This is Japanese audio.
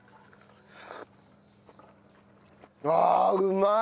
ああうまい！